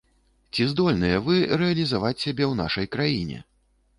Ці здольныя вы рэалізаваць сябе ў нашай краіне?